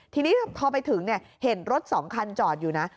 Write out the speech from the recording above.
ทีนี้พอไปถึงเห็นรถ๒คันจอดอยู่นะ